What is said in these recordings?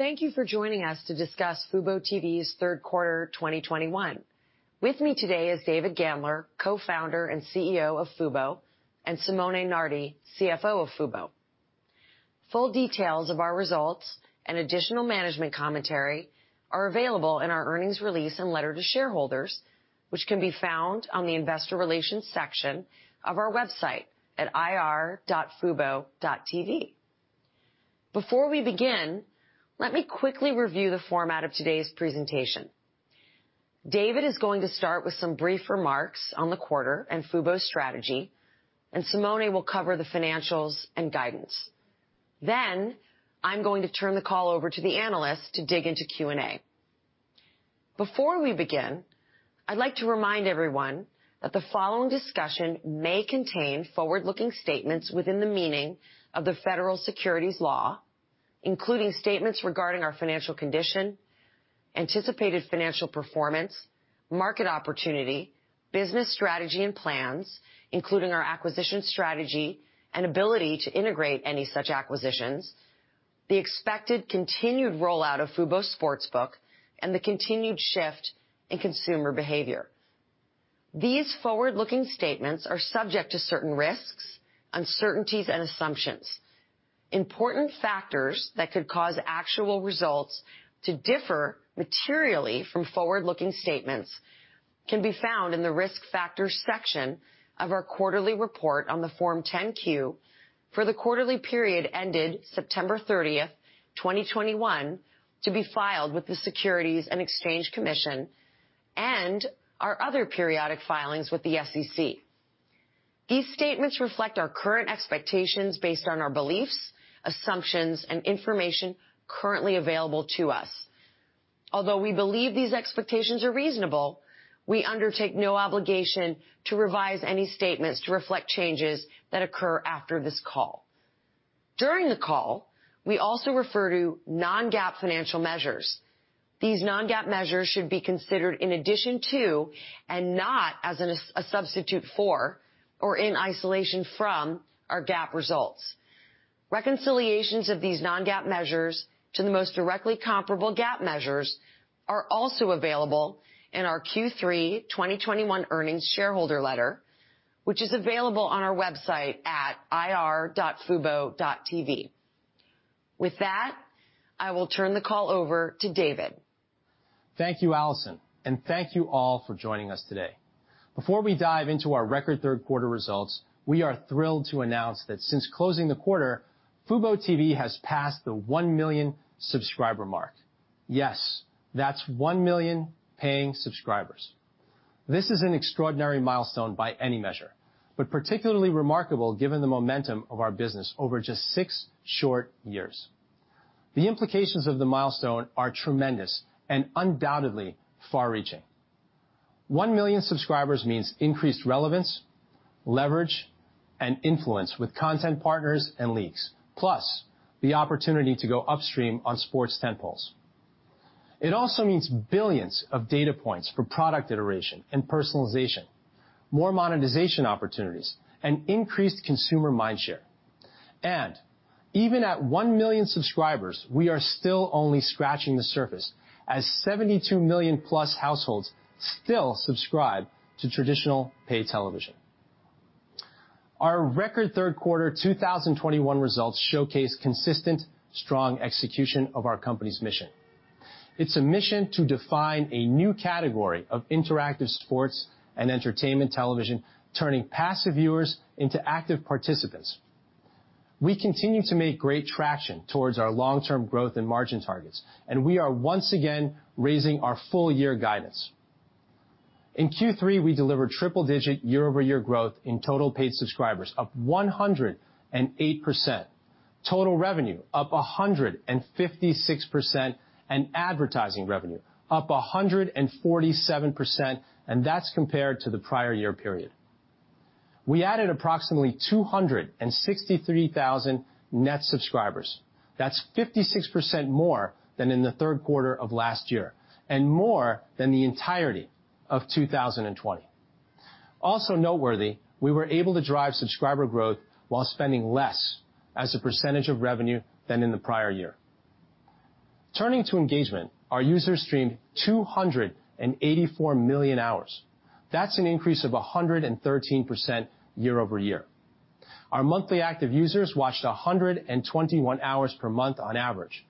Thank you for joining us to discuss FuboTV's third quarter 2021. With me today are David Gandler, Co-founder and CEO of Fubo, and Simone Nardi, CFO of Fubo. Full details of our results and additional management commentary are available in our earnings release and letter to shareholders, which can be found in the investor relations section of our website at ir.fubo.tv. Before we begin, let me quickly review the format of today's presentation. David is going to start with some brief remarks on the quarter and Fubo's strategy, and Simone will cover the financials and guidance. Then I'm going to turn the call over to the analysts to dig into Q&A. Before we begin, I'd like to remind everyone that the following discussion may contain forward-looking statements within the meaning of federal securities law, including statements regarding our financial condition, anticipated financial performance, market opportunity, business strategy, and plans, including our acquisition strategy and ability to integrate any such acquisitions, the expected continued rollout of Fubo Sportsbook, and the continued shift in consumer behavior. These forward-looking statements are subject to certain risks, uncertainties, and assumptions. Important factors that could cause actual results to differ materially from forward-looking statements can be found in the Risk Factors section of our quarterly report on Form 10-Q for the quarterly period ended September 30, 2021, to be filed with the Securities and Exchange Commission and our other periodic filings with the SEC. These statements reflect our current expectations based on our beliefs, assumptions, and information currently available to us. Although we believe these expectations are reasonable, we undertake no obligation to revise any statements to reflect changes that occur after this call. During the call, we also refer to non-GAAP financial measures. These non-GAAP measures should be considered in addition to, and not as a substitute for or in isolation from, our GAAP results. Reconciliations of these non-GAAP measures to the most directly comparable GAAP measures are also available in our Q3 2021 earnings shareholder letter, which is available on our website at ir.fubo.tv. With that, I will turn the call over to David. Thank you, Allison, and thank you all for joining us today. Before we dive into our record third-quarter results, we are thrilled to announce that since closing the quarter, FuboTV has passed the 1 million subscriber mark. Yes, that's 1 million paying subscribers. This is an extraordinary milestone by any measure, but particularly remarkable given the momentum of our business over just six short years. The implications of the milestone are tremendous and undoubtedly far-reaching. 1 million subscribers means increased relevance, leverage, and influence with content partners and leagues, plus the opportunity to go upstream on sports tentpoles. It also means billions of data points for product iteration and personalization, more monetization opportunities, and increased consumer mindshare. Even at 1 million subscribers, we are still only scratching the surface, as 72 million-plus households still subscribe to traditional paid television. Our record Q3 2021 results showcase consistent, strong execution of our company's mission. It's a mission to define a new category of interactive sports and entertainment television, turning passive viewers into active participants. We continue to make great traction toward our long-term growth and margin targets, and we are once again raising our full-year guidance. In Q3, we delivered triple-digit year-over-year growth in total paid subscribers, up 108%; total revenue, up 156%; and advertising revenue, up 147% compared to the prior-year period. We added approximately 263,000 net subscribers. That's 56% more than in the third quarter of last year and more than the entirety of 2020. Also noteworthy, we were able to drive subscriber growth while spending less as a percentage of revenue than in the prior year. Turning to engagement, our users streamed 284 million hours. That's an increase of 113% year-over-year. Our monthly active users watched 121 hours per month on average.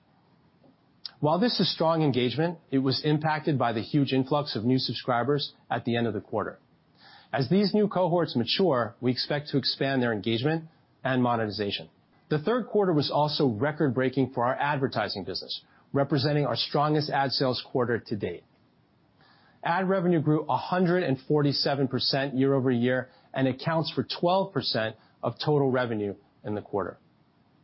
While this is strong engagement, it was impacted by the huge influx of new subscribers at the end of the quarter. As these new cohorts mature, we expect to expand their engagement and monetization. The third quarter was also record-breaking for our advertising business, representing our strongest ad sales quarter to date. Ad revenue grew 147% year-over-year and accounts for 12% of total revenue in the quarter.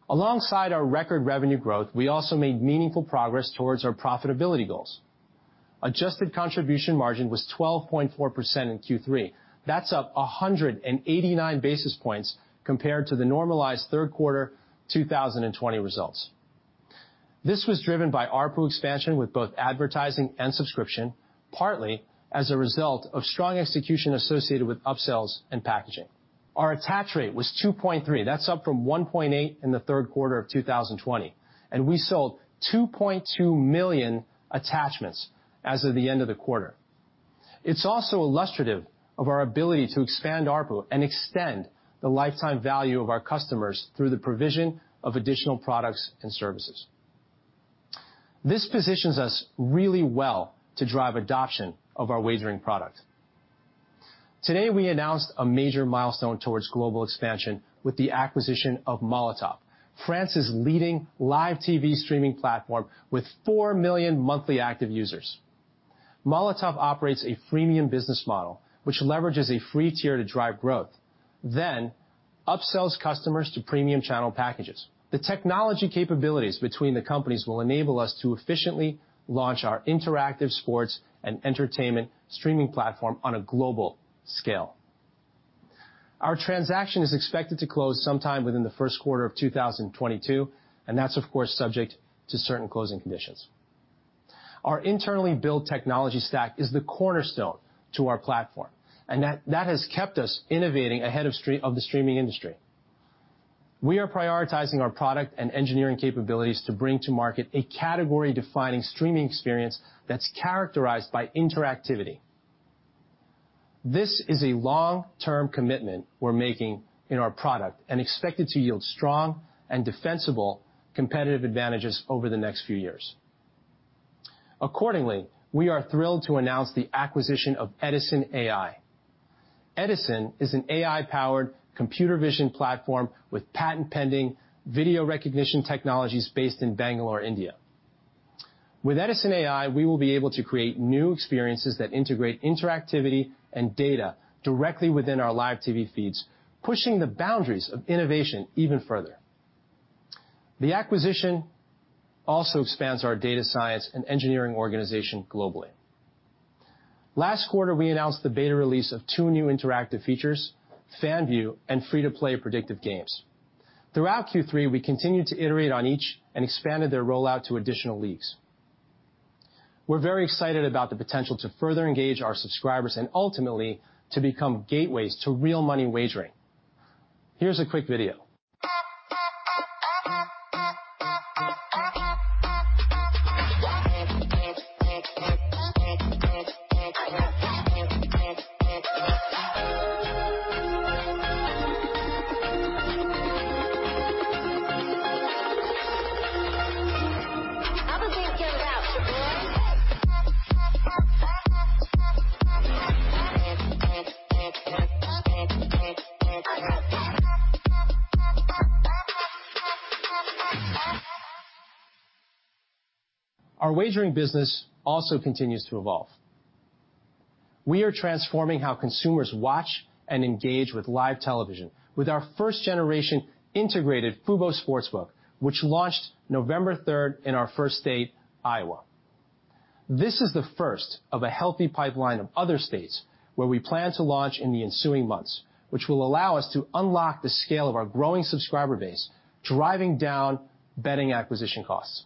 Alongside our record revenue growth, we also made meaningful progress toward our profitability goals. Adjusted contribution margin was 12.4% in Q3. That's up 189 basis points compared to the normalized third quarter 2020 results. This was driven by ARPU expansion with both advertising and subscription, partly as a result of strong execution associated with upsells and packaging. Our attach rate was 2.3, up from 1.8 in the third quarter of 2020, and we sold 2.2 million attachments as of the end of the quarter. It's also illustrative of our ability to expand ARPU and extend the lifetime value of our customers through the provision of additional products and services. This positions us really well to drive adoption of our wagering product. Today, we announced a major milestone toward global expansion with the acquisition of Molotov, France's leading live TV streaming platform with 4 million monthly active users. Molotov operates a freemium business model, which leverages a free tier to drive growth, then upsells customers to premium channel packages. The technological capabilities between the companies will enable us to efficiently launch our interactive sports and entertainment streaming platform on a global scale. Our transaction is expected to close sometime within the first quarter of 2022, and that's, of course, subject to certain closing conditions. Our internally built technology stack is the cornerstone of our platform, and that has kept us innovating ahead of the streaming industry. We are prioritizing our product and engineering capabilities to bring to market a category-defining streaming experience that's characterized by interactivity. This is a long-term commitment we're making in our product and expect it to yield strong and defensible competitive advantages over the next few years. Accordingly, we are thrilled to announce the acquisition of Edisn.ai. Edisn.ai is an AI-powered computer vision platform with patent-pending video recognition technologies based in Bangalore, India. With Edisn.ai, we will be able to create new experiences that integrate interactivity and data directly within our live TV feeds, pushing the boundaries of innovation even further. The acquisition also expands our data science and engineering organization globally. Last quarter, we announced the beta release of two new interactive features, FanView and Free-to-Play Predictive Games. Throughout Q3, we continued to iterate on each and expanded their rollout to additional leagues. We're very excited about the potential to further engage our subscribers and ultimately, to become gateways to real money wagering. Here's a quick video. Our wagering business also continues to evolve. We are transforming how consumers watch and engage with live television with our first-generation integrated Fubo Sportsbook, which launched November 3rd in our first state, Iowa. This is the first of a healthy pipeline of other states where we plan to launch in the ensuing months, which will allow us to unlock the scale of our growing subscriber base, driving down betting acquisition costs.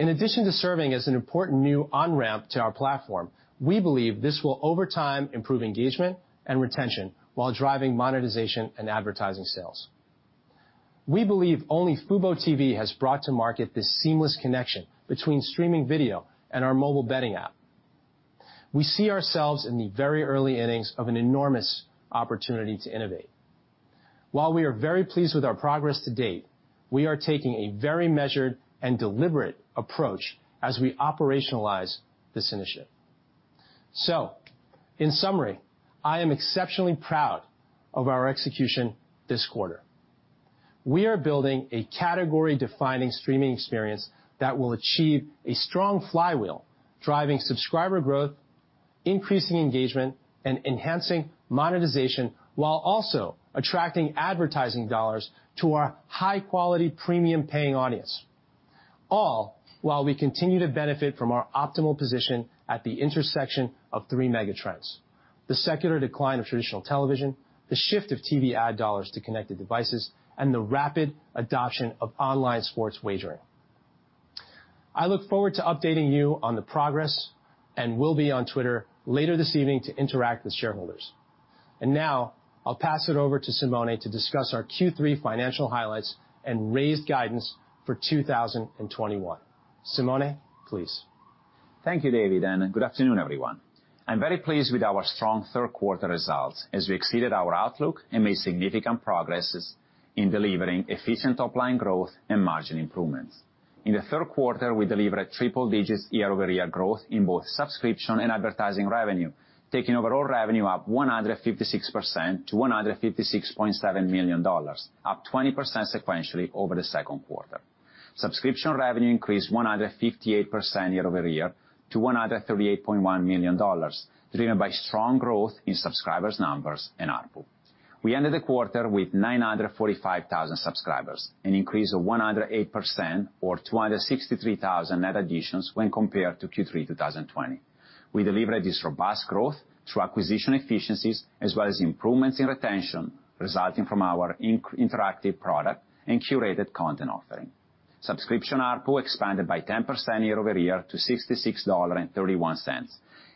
In addition to serving as an important new on-ramp to our platform, we believe this will over time improve engagement and retention while driving monetization and advertising sales. We believe only FuboTV has brought to market this seamless connection between streaming video and our mobile betting app. We see ourselves in the very early innings of an enormous opportunity to innovate. While we are very pleased with our progress to date, we are taking a very measured and deliberate approach as we operationalize this initiative. In summary, I am exceptionally proud of our execution this quarter. We are building a category-defining streaming experience that will achieve a strong flywheel, driving subscriber growth, increasing engagement, and enhancing monetization, while also attracting advertising dollars to our high-quality, premium-paying audience, all while we continue to benefit from our optimal position at the intersection of three megatrends: the secular decline of traditional television, the shift of TV ad dollars to connected devices, and the rapid adoption of online sports wagering. I look forward to updating you on the progress and will be on Twitter later this evening to interact with shareholders. Now I'll pass it over to Simone to discuss our Q3 financial highlights and raised guidance for 2021. Simone, please. Thank you, David, and good afternoon, everyone. I'm very pleased with our strong third-quarter results as we exceeded our outlook and made significant progress in delivering efficient top-line growth and margin improvements. In the third quarter, we delivered triple-digit year-over-year growth in both subscription and advertising revenue, taking overall revenue up 156% to $156.7 million, up 20% sequentially over the second quarter. Subscription revenue increased 158% year-over-year to $138.1 million, driven by strong growth in subscriber numbers and ARPU. We ended the quarter with 945,000 subscribers, an increase of 108% or 263,000 net additions when compared to Q3 2020. We delivered this robust growth through acquisition efficiencies as well as improvements in retention resulting from our interactive product and curated content offering. Subscription ARPU expanded by 10% year-over-year to $66.31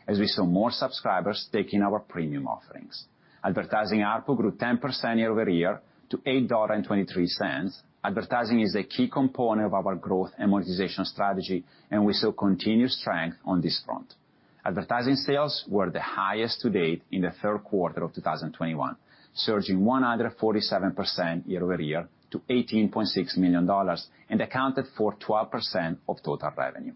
as we saw more subscribers taking our premium offerings. Advertising ARPU grew 10% year-over-year to $8.23. Advertising is a key component of our growth and monetization strategy, and we saw continued strength on this front. Advertising sales were the highest to date in the third quarter of 2021, surging 147% year-over-year to $18.6 million and accounted for 12% of total revenue.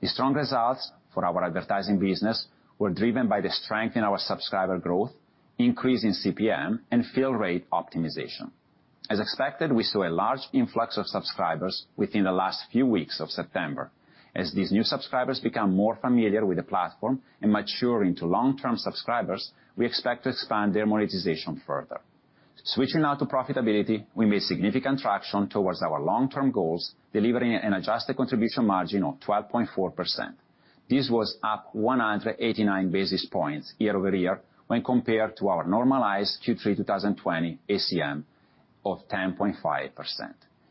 The strong results for our advertising business were driven by the strength in our subscriber growth, increase in CPM, and fill rate optimization. As expected, we saw a large influx of subscribers within the last few weeks of September. As these new subscribers become more familiar with the platform and mature into long-term subscribers, we expect to expand their monetization further. Switching now to profitability, we made significant traction toward our long-term goals, delivering an adjusted contribution margin of 12.4%. This was up 189 basis points year-over-year when compared to our normalized Q3 2020 ACM of 10.5%,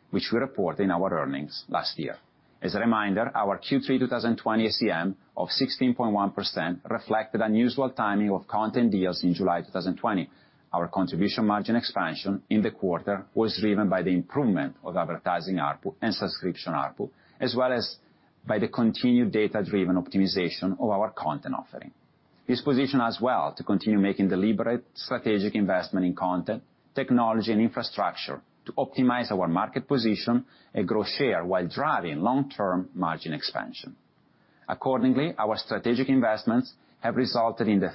which we reported in our earnings last year. As a reminder, our Q3 2020 ACM of 16.1% reflected unusual timing of content deals in July 2020. Our contribution margin expansion in the quarter was driven by the improvement of advertising ARPU and subscription ARPU, as well as by the continued data-driven optimization of our content offering. This positions us well to continue making deliberate strategic investments in content, technology, and infrastructure to optimize our market position and grow share while driving long-term margin expansion. Accordingly, our strategic investments have resulted in an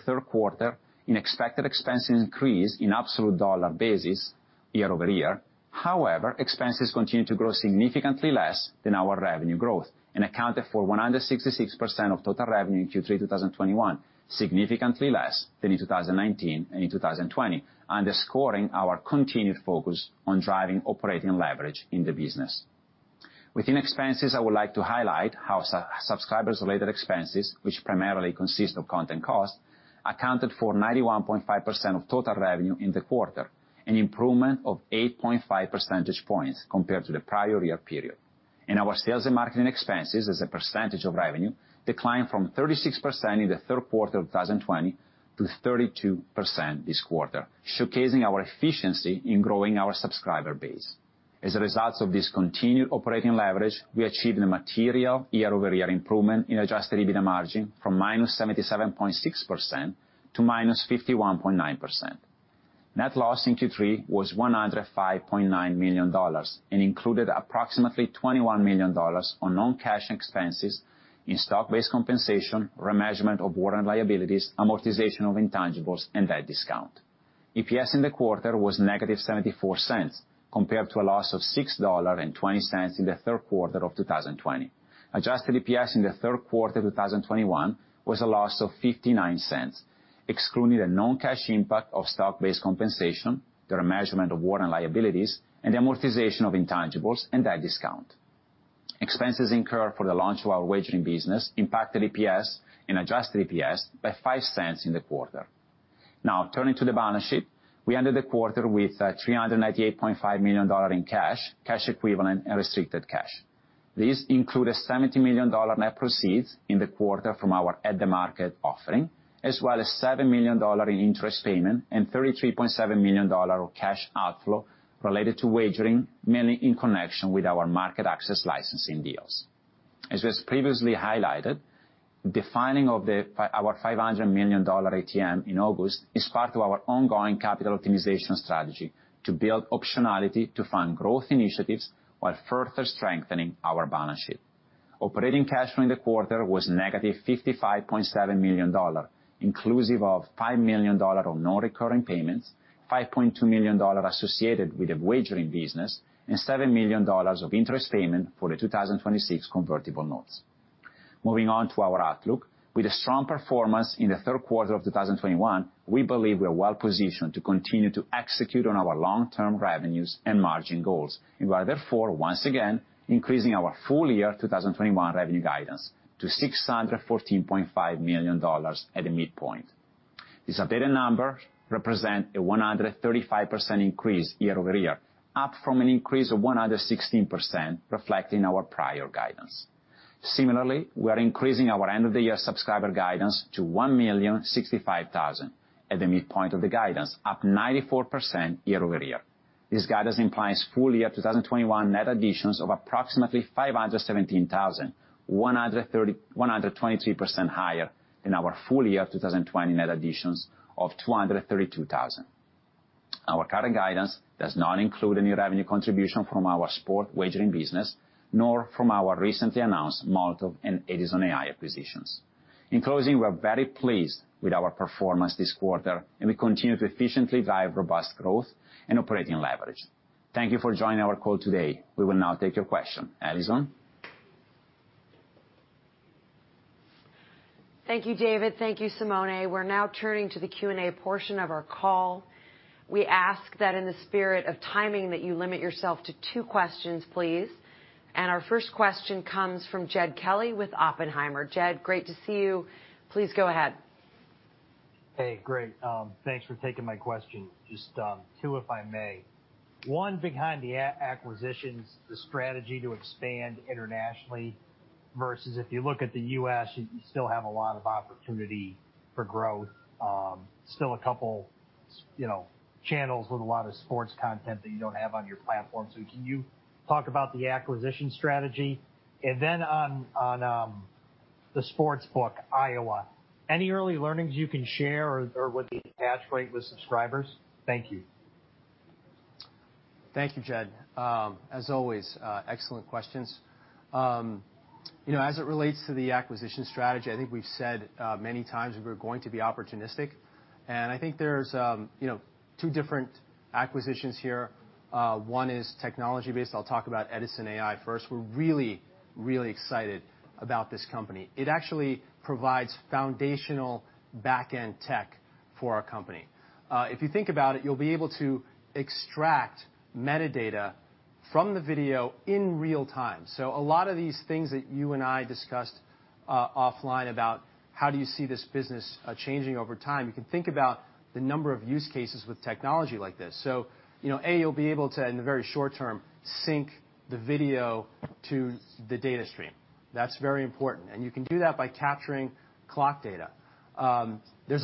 expected increase in expenses on an absolute dollar basis year-over-year in the third quarter. However, expenses continue to grow significantly less than our revenue growth and accounted for 166% of total revenue in Q3 2021, significantly less than in 2019 and 2020, underscoring our continued focus on driving operating leverage in the business. Within expenses, I would like to highlight how subscriber-related expenses, which primarily consist of content costs, accounted for 91.5% of total revenue in the quarter, an improvement of 8.5 percentage points compared to the prior-year period. Our sales and marketing expenses as a percentage of revenue declined from 36% in the third quarter of 2020 to 32% this quarter, showcasing our efficiency in growing our subscriber base. As a result of this continued operating leverage, we achieved a material year-over-year improvement in adjusted EBITDA margin from -77.6% to -51.9%. Net loss in Q3 was $105.9 million and included approximately $21 million in non-cash expenses in stock-based compensation, remeasurement of warrant liabilities, amortization of intangibles, and debt discount. EPS in the quarter was -$0.74 compared to a loss of $6.20 in the third quarter of 2020. Adjusted EPS in the third quarter of 2021 was a loss of $0.59, excluding a non-cash impact of stock-based compensation, the remeasurement of warrant liabilities, and amortization of intangibles and debt discount. Expenses incurred for the launch of our wagering business impacted EPS and adjusted EPS by $0.05 in the quarter. Now, turning to the balance sheet, we ended the quarter with $398.5 million in cash equivalents and restricted cash. These include $70 million in net proceeds in the quarter from our at-the-market offering, as well as $7 million in interest payments and $33.7 million of cash outflow related to wagering, mainly in connection with our market access licensing deals. As was previously highlighted, the filing of our $500 million ATM in August is part of our ongoing capital optimization strategy to build optionality to fund growth initiatives while further strengthening our balance sheet. Operating cash flow in the quarter was negative $55.7 million, inclusive of $5 million of non-recurring payments, $5.2 million associated with the wagering business, and $7 million of interest payments for the 2026 convertible notes. Moving on to our outlook: With a strong performance in the third quarter of 2021, we believe we are well-positioned to continue to execute on our long-term revenue and margin goals. We are therefore once again increasing our full-year 2021 revenue guidance to $614.5 million at the midpoint. This updated number represents a 135% increase year-over-year, up from an increase of 116% reflecting our prior guidance. Similarly, we are increasing our end-of-the-year subscriber guidance to 1,065,000 at the midpoint of the guidance, up 94% year-over-year. This guidance implies full-year 2021 net additions of approximately 517,000, 123% higher than our full-year 2020 net additions of 232,000. Our current guidance does not include any revenue contribution from our sports wagering business, nor from our recently announced Molotov and Edisn.ai acquisitions. In closing, we are very pleased with our performance this quarter, and we continue to efficiently drive robust growth and operating leverage. Thank you for joining our call today. We will now take your question. Allison? Thank you, David. Thank you, Simone. We're now turning to the Q&A portion of our call. We ask that, in the spirit of timing, you limit yourself to two questions, please. Our first question comes from Jed Kelly with Oppenheimer. Jed, great to see you. Please go ahead. Hey, great. Thanks for taking my question. Just two, if I may. First, regarding the acquisitions, what is the strategy to expand internationally versus the U.S., where you still have a lot of opportunity for growth? There are still a couple of channels with a lot of sports content that you don't have on your platform. Can you talk about the acquisition strategy? Second, on the sportsbook in Iowa, what early learnings can you share, or what is the attach rate with subscribers? Thank you. Thank you, Jed. As always, excellent questions. You know, as it relates to the acquisition strategy, I think we've said many times we're going to be opportunistic. I think there are, you know, two different acquisitions here. One is technology-based. I'll talk about Edisn.ai first. We're really, really excited about this company. It actually provides foundational back-end tech for our company. If you think about it, you'll be able to extract metadata from the video in real-time. A lot of these things that you and I discussed offline about how you see this business changing over time, you can think about the number of use cases with technology like this. You know, A, you'll be able to, in the very short term, sync the video to the data stream. That's very important. You can do that by capturing clock data. There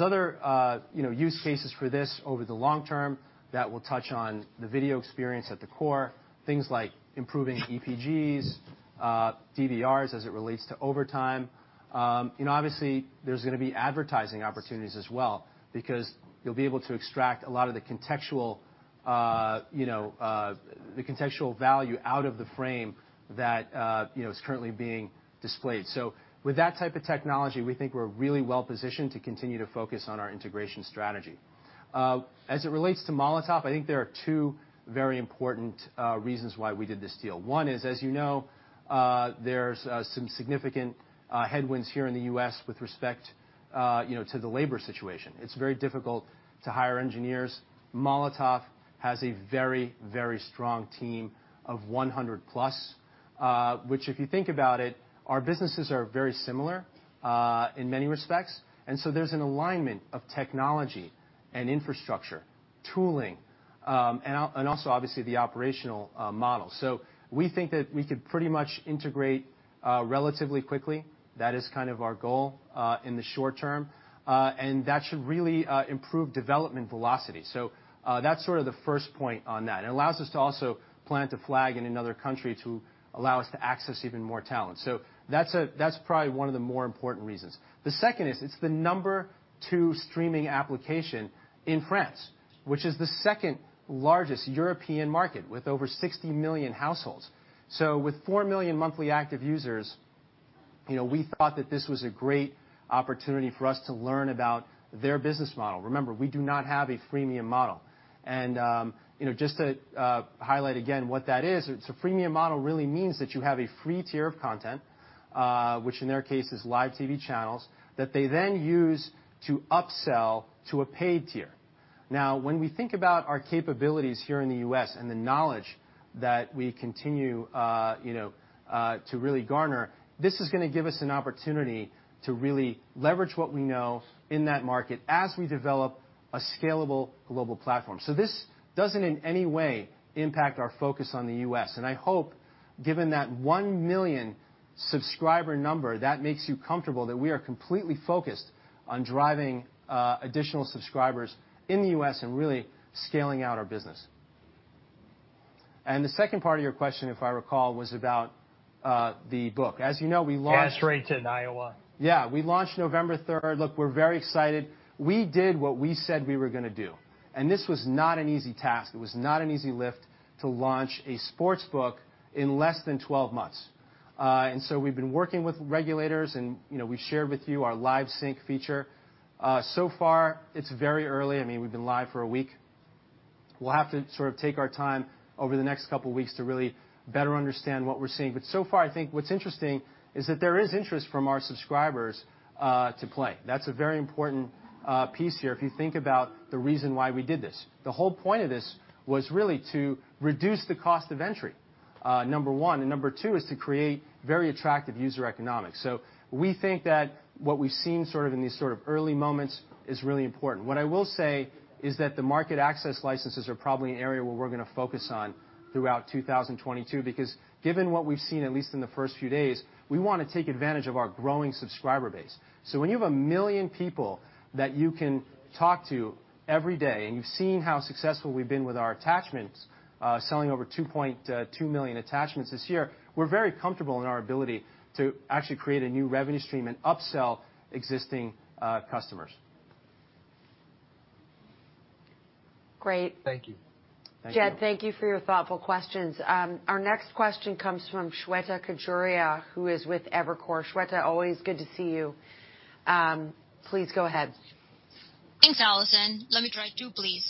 are other, you know, use cases for this over the long term that will touch on the video experience at the core, things like improving EPGs, DVRs as it relates to overtime. Obviously, there are going to be advertising opportunities as well, because you'll be able to extract a lot of the contextual, you know, the contextual value out of the frame that, you know, is currently being displayed. With that type of technology, we think we're really well-positioned to continue to focus on our integration strategy. As it relates to Molotov, I think there are two very important reasons why we did this deal. One is, as you know, there are some significant headwinds here in the U.S. with respect, you know, to the labor situation. It's very difficult to hire engineers. Molotov has a very, very strong team of 100+, which, if you think about it, our businesses are very similar in many respects. There's an alignment of technology and infrastructure, tooling, and also, obviously, the operational model. We think that we could pretty much integrate relatively quickly. That is kind of our goal in the short term. That should really improve development velocity. That's sort of the first point on that. It allows us to also plant a flag in another country to allow us to access even more talent. That's probably one of the more important reasons. The second is, it's the number two streaming application in France, which is the second largest European market with over 60 million households. With 4 million monthly active users, we thought this was a great opportunity for us to learn about their business model. Remember, we do not have a freemium model. Just to highlight again what that is, a freemium model really means that you have a free tier of content, which in their case is live TV channels, that they then use to upsell to a paid tier. Now, when we think about our capabilities here in the U.S. and the knowledge that we continue to really garner, this is going to give us an opportunity to really leverage what we know in that market as we develop a scalable global platform. This doesn't in any way impact our focus on the U.S. I hope, given that 1 million subscriber number, that makes you comfortable that we are completely focused on driving additional subscribers in the U.S. and really scaling out our business. The second part of your question, if I recall, was about the book. As you know, we launched— Attachment rate in Iowa. Yeah. We launched November 3. Look, we're very excited. We did what we said we were going to do. This was not an easy task. It was not an easy lift to launch Fubo Sportsbook in less than 12 months. We've been working with regulators and, you know, we shared with you our live sync feature. So far, it's very early. I mean, we've been live for a week. We'll have to sort of take our time over the next couple of weeks to really better understand what we're seeing. So far, I think what's interesting is that there is interest from our subscribers to play. That's a very important piece here if you think about the reason why we did this. The whole point of this was really to reduce the cost of entry, number one. Number two is to create very attractive user economics. We think that what we've seen in these early moments is really important. What I will say is that the market access licenses are probably an area where we're going to focus throughout 2022, because given what we've seen, at least in the first few days, we want to take advantage of our growing subscriber base. When you have a million people that you can talk to every day, and you've seen how successful we've been with our attachments, selling over 2.2 million attachments this year, we're very comfortable in our ability to actually create a new revenue stream and upsell existing customers. Great. Thank you. Thank you. Jed, thank you for your thoughtful questions. Our next question comes from Shweta Khajuria, who is with Evercore. Shweta, always good to see you. Please go ahead. Thanks, Allison. Let me try two, please.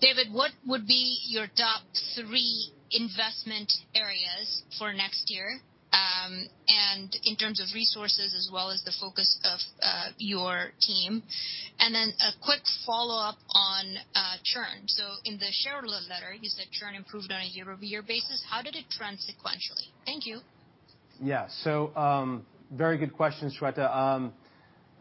David, what would be your top three investment areas for next year, in terms of resources as well as the focus of your team? Then a quick follow-up. Churn. In the shareholder letter, you said churn improved on a year-over-year basis. How did it trend sequentially? Thank you. Yeah. Very good question, Shweta.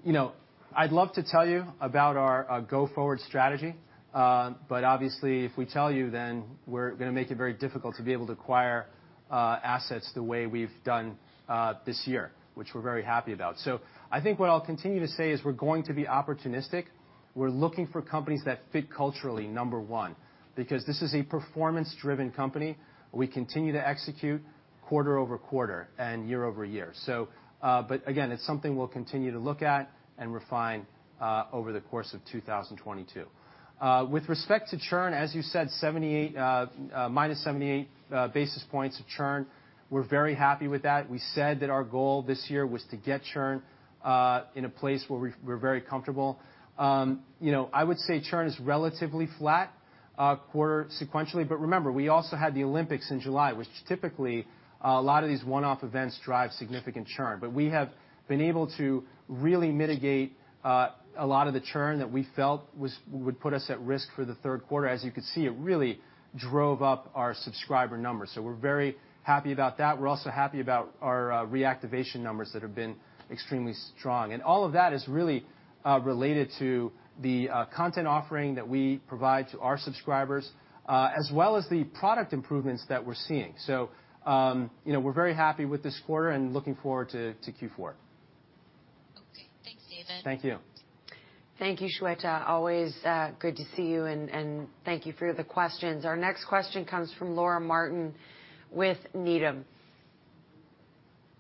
You know, I'd love to tell you about our go-forward strategy, but obviously, if we tell you, then we're going to make it very difficult to be able to acquire assets the way we've done this year, which we're very happy about. I think what I'll continue to say is we're going to be opportunistic. We're looking for companies that fit culturally, number one, because this is a performance-driven company. We continue to execute quarter-over-quarter and year-over-year. Again, it's something we'll continue to look at and refine over the course of 2022. With respect to churn, as you said, minus 78 basis points of churn. We're very happy with that. We said that our goal this year was to get churn to a place where we're very comfortable. You know, I would say churn is relatively flat quarter-sequentially. Remember, we also had the Olympics in July, which typically, a lot of these one-off events drive significant churn. We have been able to really mitigate a lot of the churn that we felt would put us at risk for the third quarter. As you can see, it really drove up our subscriber numbers. We're very happy about that. We're also happy about our reactivation numbers that have been extremely strong. All of that is really related to the content offering that we provide to our subscribers, as well as the product improvements that we're seeing. You know, we're very happy with this quarter and looking forward to Q4. Okay. Thanks, David. Thank you. Thank you, Shweta. Always good to see you, and thank you for the questions. Our next question comes from Laura Martin with Needham.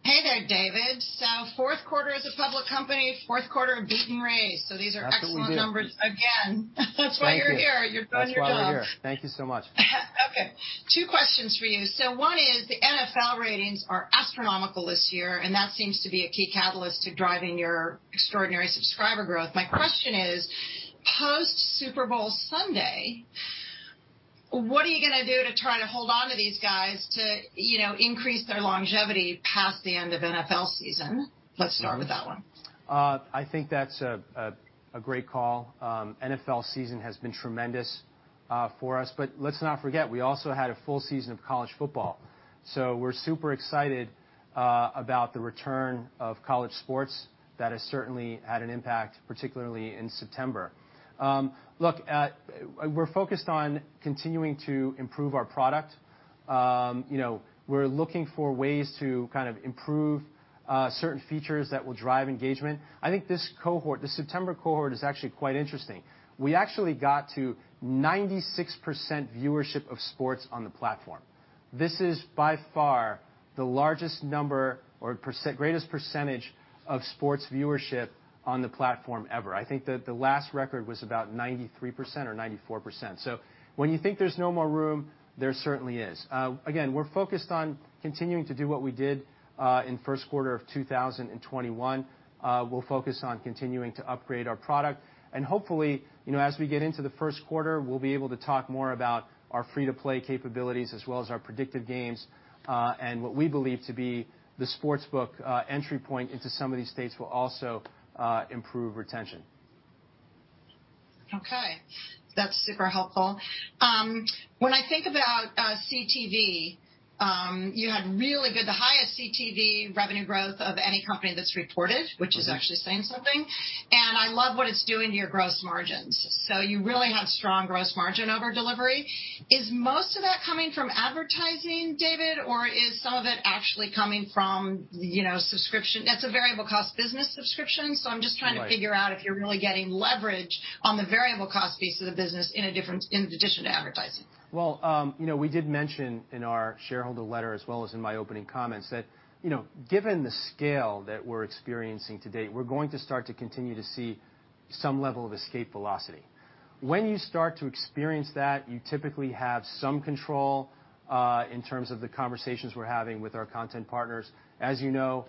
Hey there, David. Fourth quarter as a public company, fourth quarter of beat and raise. That's what we do. These are excellent numbers again. Thank you. That's why you're here. You've done your job. That's why we're here. Thank you so much. Okay. Two questions for you. One is, the NFL ratings are astronomical this year, and that seems to be a key catalyst to driving your extraordinary subscriber growth. My question is, post-Super Bowl Sunday, what are you going to do to try to hold on to these guys to, you know, increase their longevity past the end of the NFL season? Let's start with that one. I think that's a great call. The NFL season has been tremendous for us. Let's not forget, we also had a full season of college football. We're super excited about the return of college sports. That has certainly had an impact, particularly in September. Look, we're focused on continuing to improve our product. You know, we're looking for ways to improve certain features that will drive engagement. I think this cohort, the September cohort, is actually quite interesting. We actually got to 96% viewership of sports on the platform. This is by far the greatest percentage of sports viewership on the platform ever. I think the last record was about 93% or 94%. When you think there's no more room, there certainly is. Again, we're focused on continuing to do what we did in the first quarter of 2021. We'll focus on continuing to upgrade our product, and hopefully, as we get into the first quarter, we'll be able to talk more about our free-to-play capabilities as well as our predictive games. What we believe to be the sportsbook entry point into some of these states will also improve retention. Okay. That's super helpful. When I think about CTV, you had really good, the highest CTV revenue growth of any company that's reported. Mm-hmm. Which is actually saying something. I love what it's doing to your gross margins. You really have strong gross margin over-delivery. Is most of that coming from advertising, David, or is some of it actually coming from, you know, subscription? That's a variable cost business subscription. Right. I'm just trying to figure out if you're really getting leverage on the variable cost piece of the business in addition to advertising. Well, you know, we did mention in our shareholder letter, as well as in my opening comments, that, you know, given the scale that we're experiencing to date, we're going to continue to see some level of escape velocity. When you start to experience that, you typically have some control in terms of the conversations we're having with our content partners. As you know,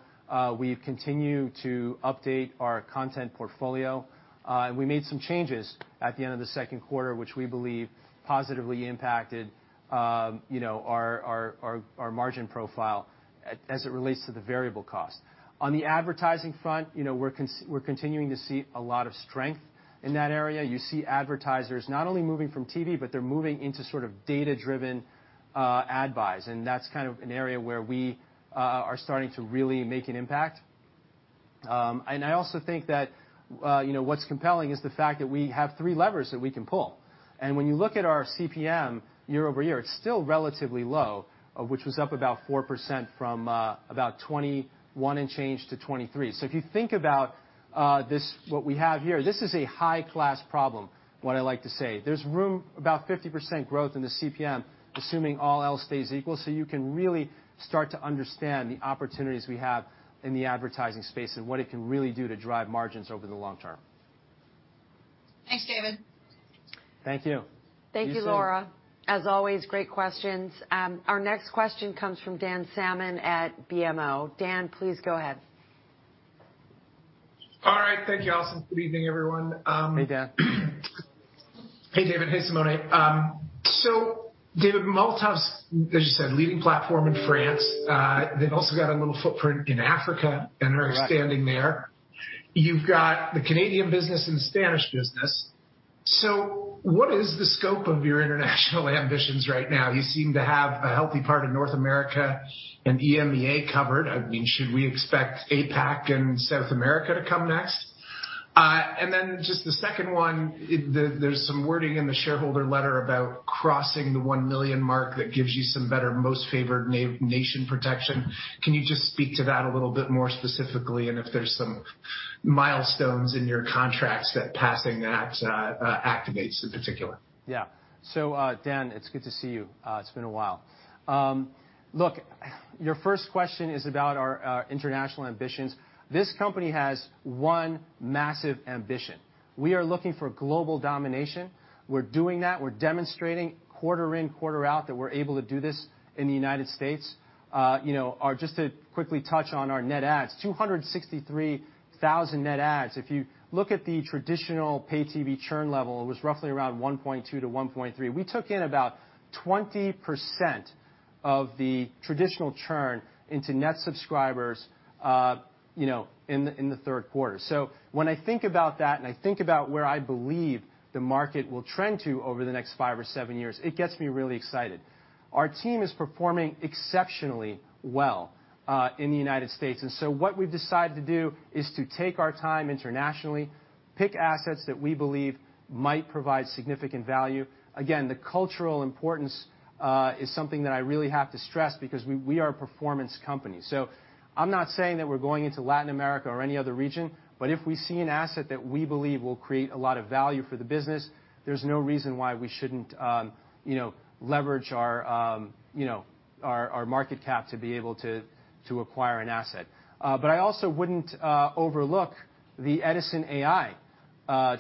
we've continued to update our content portfolio, and we made some changes at the end of the second quarter, which we believe positively impacted, you know, our margin profile as it relates to the variable cost. On the advertising front, you know, we're continuing to see a lot of strength in that area. Advertisers are not only moving away from TV, but they are also shifting towards data-driven ad buys, an area where we are starting to make a significant impact. I also believe that what's compelling is the fact that we have three levers we can pull. When you look at our CPM year-over-year, it's still relatively low, having increased by about 4% from approximately 21 and change to 23. If you consider this, what we have here is what I like to call a high-class problem. There's room for about 50% growth in the CPM, assuming all else stays equal. You can really start to understand the opportunities we have in the advertising space and what it can truly do to drive margins over the long term. Thanks, David. Thank you. Thank you, Laura. As always, great questions. Our next question comes from Dan Salmon at BMO. Dan, please go ahead. All right. Thank you, Allison. Good evening, everyone. Hey, Dan. Hey, David. Hey, Simone. David, Molotov, as you said, is a leading platform in France. They've also got a little footprint in Africa. Right. are expanding there. You've got the Canadian and Spanish businesses. What is the scope of your international ambitions right now? You seem to have a healthy part of North America and EMEA covered. I mean, should we expect APAC and South America to come next? And then, just the second one, there's some wording in the shareholder letter about crossing the 1 million mark that gives you some better most-favored-nation protection. Can you just speak to that a little more specifically and if there are some milestones in your contracts that passing that activates in particular? Yeah. Dan, it's good to see you. It's been a while. Look, your first question is about our international ambitions. This company has one massive ambition. We are looking for global domination. We're doing that. We're demonstrating quarter in, quarter out, that we're able to do this in the United States. You know, just to quickly touch on our net adds, 263,000 net adds. If you look at the traditional pay TV churn level, it was roughly around 1.2%-1.3%. We took in about 20% of the traditional churn into net subscribers in the third quarter. When I think about that and I think about where I believe the market will trend over the next 5 or 7 years, it gets me really excited. Our team is performing exceptionally well in the United States. What we've decided to do is to take our time internationally, picking assets that we believe might provide significant value. Again, the cultural importance is something that I really have to stress because we are a performance company. I'm not saying that we're going into Latin America or any other region, but if we see an asset that we believe will create a lot of value for the business, there's no reason why we shouldn't, you know, leverage our market cap to acquire an asset. But I also wouldn't overlook the Edisn.ai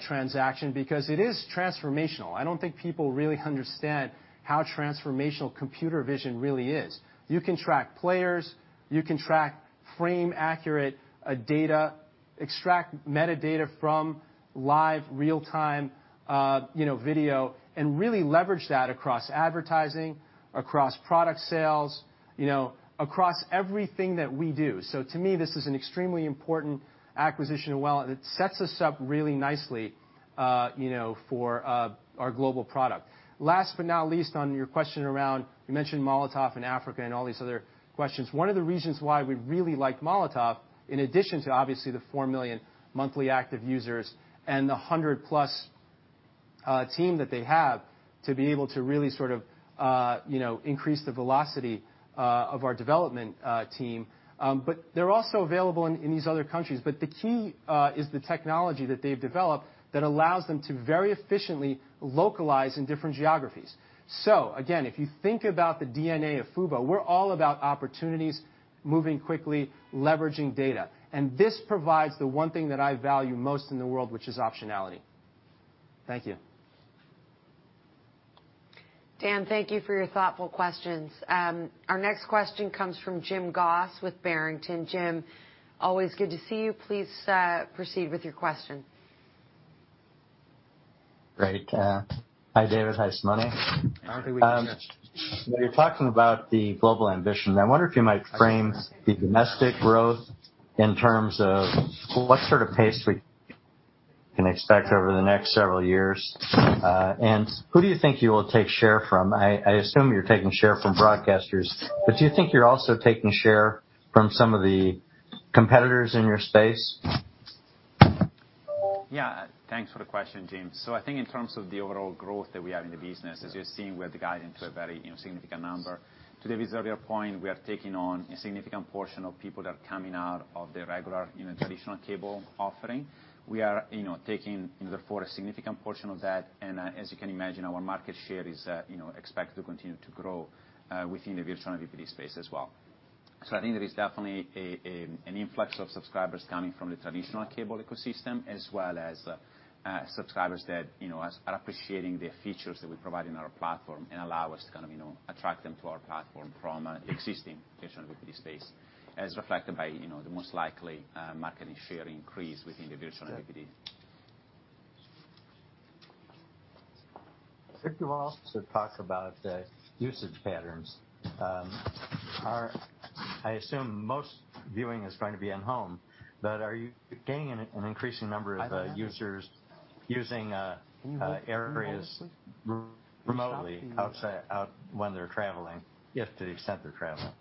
transaction because it is transformational. I don't think people really understand how transformational computer vision really is. You can track players, you can track frame-accurate data, extract metadata from live, real-time video, and really leverage that across advertising, across product sales, you know, across everything that we do. To me, this is an extremely important acquisition. Well, it sets us up really nicely, you know, for our global product. Last but not least, on your question around, you mentioned Molotov and Africa and all these other questions. One of the reasons why we really like Molotov, in addition to obviously the 4 million monthly active users and the 100+ team that they have, is to be able to really sort of, you know, increase the velocity of our development team. But they're also available in these other countries. The key is the technology they've developed that allows them to localize very efficiently in different geographies. Again, if you think about the DNA of Fubo, we're all about opportunities, moving quickly, and leveraging data. This provides the one thing that I value most in the world, which is optionality. Thank you. Dan, thank you for your thoughtful questions. Our next question comes from Jim Goss with Barrington. Jim, always good to see you. Please proceed with your question. Great. Hi, David. Hi, Simone. I don't think we can hear. When you're talking about global ambition, I wonder if you might frame domestic growth in terms of what sort of pace we can expect over the next several years. Who do you think you will take share from? I assume you're taking share from broadcasters. Do you think you're also taking share from some of the competitors in your space? Yeah. Thanks for the question, Jim. I think in terms of the overall growth that we have in the business, as you're seeing with the guidance, it's a very significant number. To David's earlier point, we are taking on a significant portion of people that are coming out of the regular, traditional cable offering. We are, therefore, taking a significant portion of that. As you can imagine, our market share is expected to continue to grow within the virtual MVPD space as well. I think there is definitely an influx of subscribers coming from the traditional cable ecosystem, as well as subscribers who appreciate the features we provide on our platform. This allows us to attract them to our platform from the existing traditional vMVPD space, as reflected by the most likely market share increase within the virtual vMVPD. If you all could talk about the usage patterns. I assume most viewing is going to be at home, but are you gaining an increasing number of users using areas remotely outside when they're traveling? Yes. To the extent they're traveling.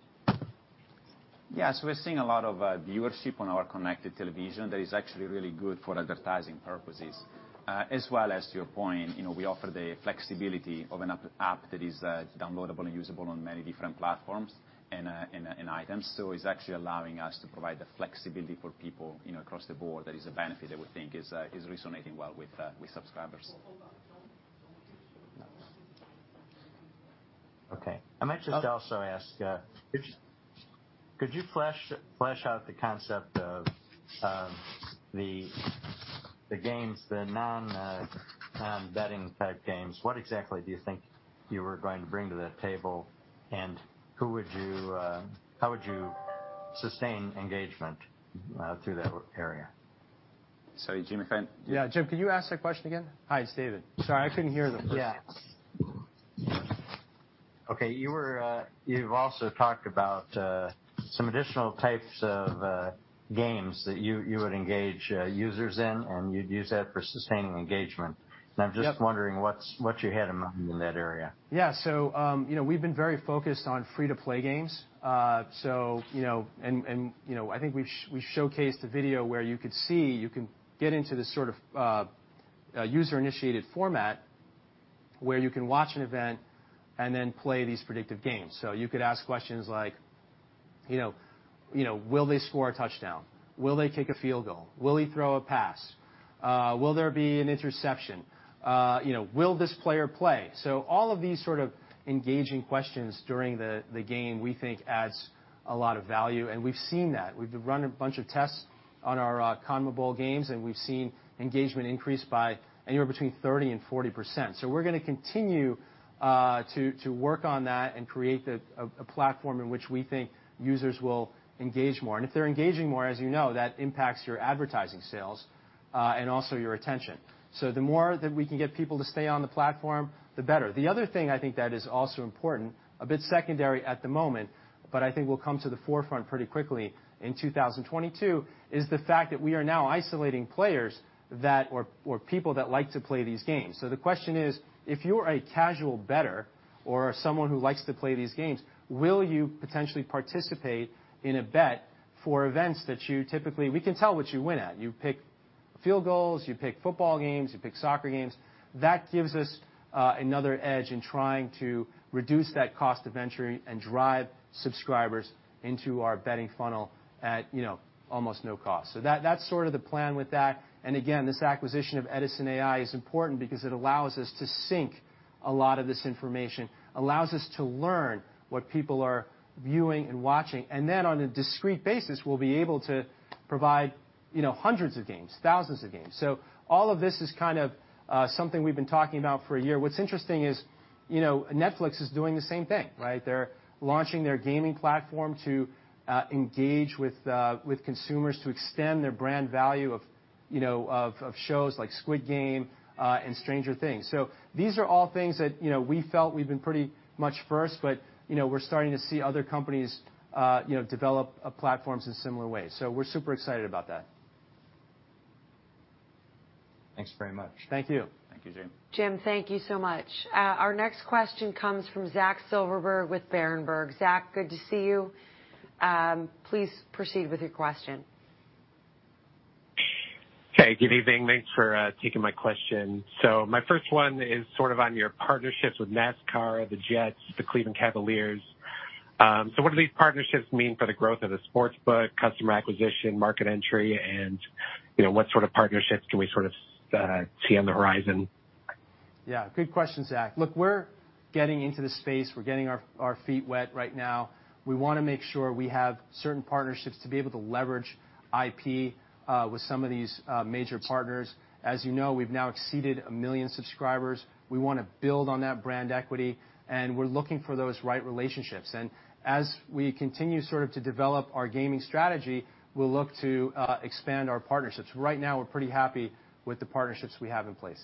Yeah. We're seeing a lot of viewership on our connected televisions, which is actually really good for advertising purposes. As well as, to your point, we offer the flexibility of an app that is downloadable and usable on many different platforms and devices. It's actually allowing us to provide flexibility for people across the board. That is a benefit that we think is resonating well with subscribers. Okay. I also meant to ask, could you flesh out the concept of the non-betting games? What exactly do you think you are going to bring to the table? How would you sustain engagement in that area? Sorry, Jim, I can't. Yeah. Jim, could you ask that question again? Hi, it's David. Sorry, I couldn't hear the first... Yeah. Okay. You've also talked about some additional types of games that you would engage users in, and you'd use those for sustaining engagement. Yep. I'm just wondering what's your take on that area? Yeah. You know, we've been very focused on free-to-play games. You know, I think we showcased a video where you could see you can get into this sort of a user-initiated format where you can watch an event and then play these predictive games. You could ask questions like, you know, "Will they score a touchdown? Will they kick a field goal? Will he throw a pass? Will there be an interception? You know, will this player play?" All of these sorts of engaging questions during the game, we think, add a lot of value, and we've seen that. We've run a bunch of tests on our CONMEBOL games, and we've seen engagement increase by anywhere between 30% and 40%. We're going to continue to work on that and create a platform on which we think users will engage more. If they're engaging more, as you know, that impacts your advertising sales and also your retention. The more we can get people to stay on the platform, the better. The other thing I think is also important, a bit secondary at the moment, but I think will come to the forefront pretty quickly in 2022, is the fact that we are now isolating players or people that like to play these games. The question is, if you're a casual bettor or someone who likes to play these games, will you potentially participate in a bet for events that you typically watch? We can tell what you watch. You pick field goals, you pick football games, you pick soccer games. That gives us another edge in trying to reduce that cost of entry and drive subscribers into our betting funnel at, you know, almost no cost. That's sort of the plan with that. Again, this acquisition of Edisn.ai is important because it allows us to sync a lot of this information, allows us to learn what people are viewing and watching. Then on a discrete basis, we'll be able to provide, you know, hundreds of games, thousands of games. All of this is kind of something we've been talking about for a year. What's interesting is, you know, Netflix is doing the same thing, right? They're launching their gaming platform to engage with consumers to extend the brand value of shows like Squid Game and Stranger Things. These are all things that we felt we've been pretty much first on, but we're starting to see other companies develop platforms in similar ways. We're super excited about that. Thanks very much. Thank you. Thank you, Jim. Jim, thank you so much. Our next question comes from Zachary Silverberg with Berenberg. Zach, good to see you. Please proceed with your question. Okay. Good evening. Thanks for taking my question. My first one is sort of on your partnerships with NASCAR, the Jets, and the Cleveland Cavaliers. What do these partnerships mean for the growth of the sportsbook, customer acquisition, market entry, and what sort of partnerships can we sort of see on the horizon? Yeah, good question, Zach. Look, we're getting into the space. We're getting our feet wet right now. We want to make sure we have certain partnerships to be able to leverage IP with some of these major partners. As you know, we've now exceeded 1 million subscribers. We want to build on that brand equity, and we're looking for those right relationships. As we continue to develop our gaming strategy, we'll look to expand our partnerships. Right now, we're pretty happy with the partnerships we have in place.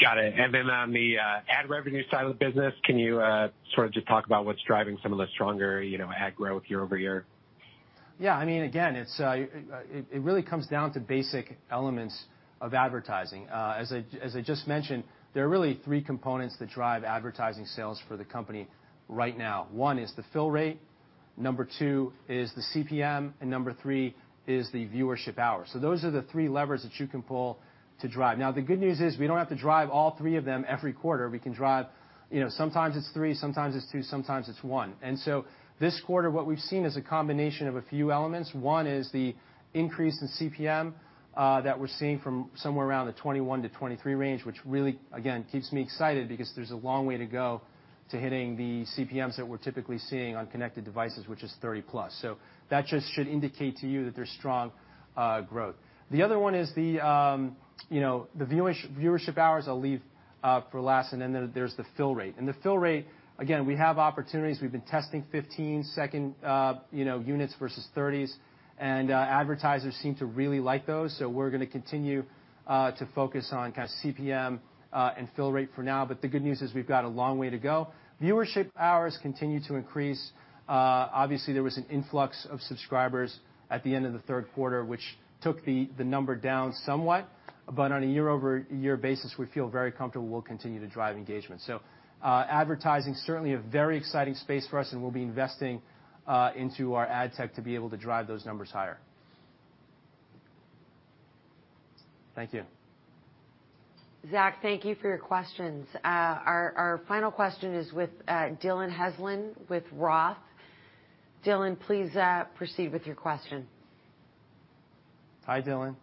Got it. On the ad revenue side of the business, can you sort of just talk about what's driving some of the stronger ad growth year-over-year? Yeah. I mean, again, it really comes down to basic elements of advertising. As I just mentioned, there are really three components that drive advertising sales for the company right now. One is the fill rate, number two is the CPM, and number three is the viewership hours. Those are the three levers that you can pull to drive. Now, the good news is we don't have to drive all three of them every quarter. We can drive, you know, sometimes it's three, sometimes it's two, sometimes it's one. This quarter, what we've seen is a combination of a few elements. One is the increase in CPM that we're seeing from somewhere around the 21-23 range, which really, again, keeps me excited because there's a long way to go to hitting the CPMs that we're typically seeing on connected devices, which is 30+. That should indicate to you that there's strong growth. The other one is, you know, the viewership hours I'll leave for last, and then there's the fill rate. The fill rate, again, we have opportunities. We've been testing 15-second, you know, units versus 30s, and advertisers seem to really like those, so we're going to continue to focus on kind of CPM and fill rate for now. The good news is we've got a long way to go. Viewership hours continue to increase. Obviously, there was an influx of subscribers at the end of the third quarter, which brought the number down somewhat. On a year-over-year basis, we feel very comfortable we'll continue to drive engagement. Advertising is certainly a very exciting space for us, and we'll be investing in our ad tech to be able to drive those numbers higher. Thank you. Zach, thank you for your questions. Our final question is with Dillon Heslin with Roth. Dillon, please proceed with your question. Hi, Dillon.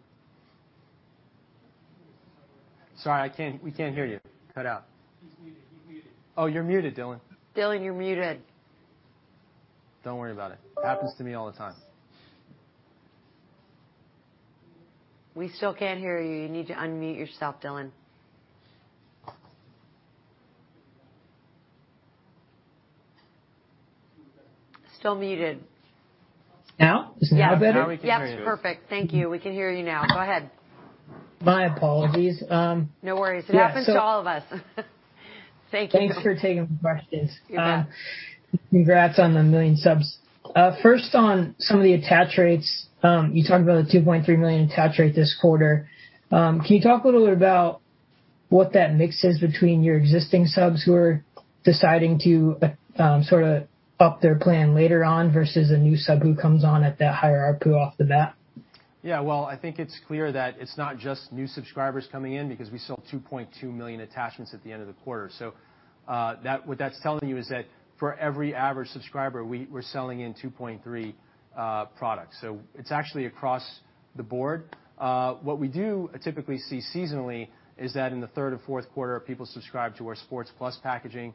Sorry, we can't hear you. He's muted. You're muted. Oh, you're muted, Dillon. Dillon, you're muted. Don't worry about it. Happens to me all the time. We still can't hear you. You need to unmute yourself, Dylan. Still muted. Now? Is it now better? Yep. Now we can hear you. Perfect. Thank you. We can hear you now. Go ahead. My apologies. No worries. Yeah, so- It happens to all of us. Thank you. Thanks for taking questions. You bet. Congrats on the 1 million subs. First, on some of the attach rates, you talked about the the 2.3 million attach rate this quarter. Can you talk a little bit about what that mix is between your existing subs who are deciding to sort of up their plan later on versus a new sub who comes on at that higher ARPU off the bat? Yeah. Well, I think it's clear that it's not just new subscribers coming in because we sold 2.2 million attachments at the end of the quarter. What that's telling you is that for every average subscriber, we're selling 2.3 products. It's actually across the board. What we typically see seasonally is that in the third or fourth quarter, people subscribe to our Sports Plus packaging,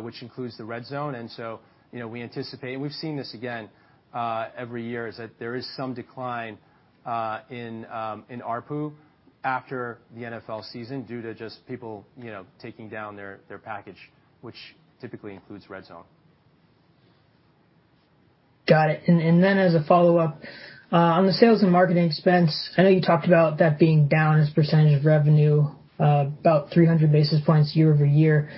which includes the NFL RedZone. You know, we anticipate, and we've seen this again every year, that there is some decline in ARPU after the NFL season due to people taking down their package, which typically includes NFL RedZone. Got it. As a follow-up, on the sales and marketing expense, I know you talked about that being down as a percentage of revenue, about 300 basis points year-over-year,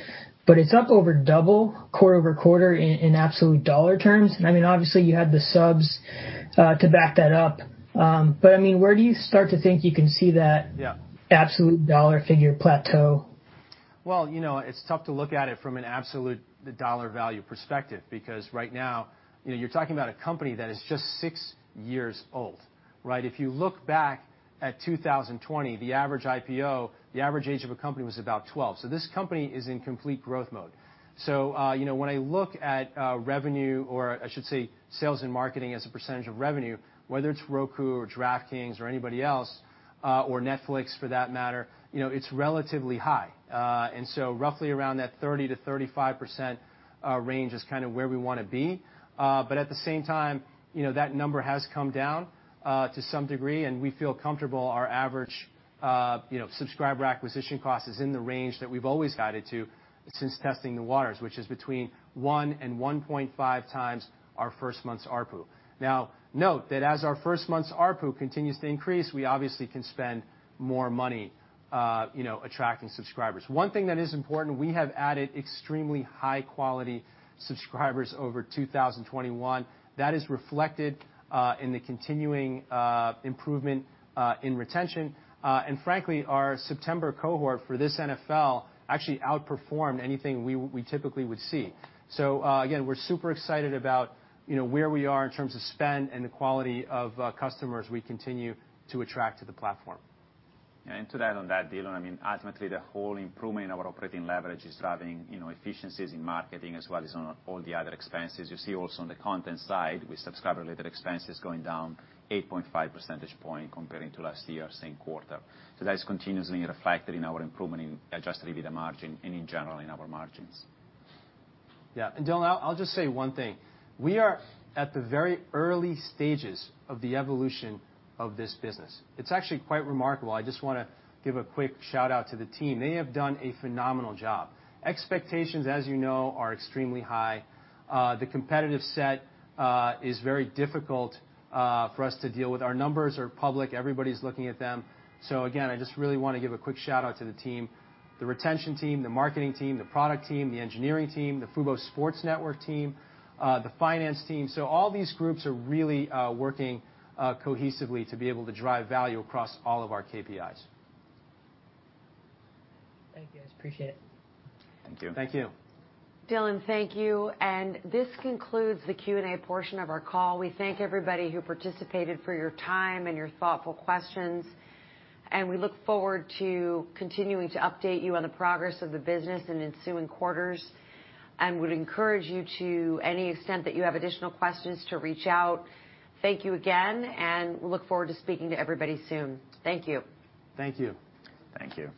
but it's up over double quarter-over-quarter in absolute dollar terms. I mean, obviously you had the subs to back that up. I mean, where do you start to think you can see that— Yeah Absolute dollar figure plateau? Well, you know, it's tough to look at it from an absolute dollar value perspective because right now, you know, you're talking about a company that is just 6 years old, right? If you look back at 2020, the average IPO, the average age of a company was about 12. This company is in complete growth mode. You know, when I look at revenue, or I should say sales and marketing as a percentage of revenue, whether it's Roku or DraftKings or anybody else, or Netflix for that matter, you know, it's relatively high. Roughly around that 30%-35% range is kind of where we want to be. At the same time, you know, that number has come down to some degree, and we feel comfortable our average subscriber acquisition cost is in the range that we've always guided to since testing the waters, which is between 1 and 1.5 times our first month's ARPU. Now, note that as our first month's ARPU continues to increase, we obviously can spend more money attracting subscribers. One thing that is important: we have added extremely high-quality subscribers over 2021. That is reflected in the continuing improvement in retention. Frankly, our September cohort for this NFL actually outperformed anything we typically would see. Again, we're super excited about where we are in terms of spend and the quality of customers we continue to attract to the platform. To add to that, Dylan, I mean, ultimately the whole improvement in our operating leverage is driving efficiencies in marketing as well as in all the other expenses. You also see it on the content side, with subscriber-related expenses going down 8.5 percentage points compared to last year, same quarter. That is continuously reflected in our improvement in adjusted EBITDA margin and in general in our margins. Yeah. Dillon, I'll just say one thing. We are at the very early stages of the evolution of this business. It's actually quite remarkable. I just want to give a quick shout-out to the team. They have done a phenomenal job. Expectations, as you know, are extremely high. The competitive set is very difficult for us to deal with. Our numbers are public. Everybody's looking at them. Again, I just really want to give a quick shout-out to the team, the retention team, the marketing team, the product team, the engineering team, the Fubo Sports Network team, the finance team. All these groups are really working cohesively to be able to drive value across all of our KPIs. Thank you, guys. Appreciate it. Thank you. Thank you. Dillon, thank you. This concludes the Q&A portion of our call. We thank everybody who participated for their time and thoughtful questions, and we look forward to continuing to update you on the progress of the business in ensuing quarters and would encourage you to reach out if you have additional questions. Thank you again, and we look forward to speaking to everybody soon. Thank you. Thank you. Thank you.